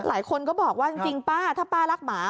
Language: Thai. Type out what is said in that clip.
หลายคนก็บอกว่าจริงป้าถ้าป้ารักหมา